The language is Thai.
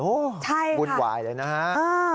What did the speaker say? โอ้บุญวายเลยนะฮะ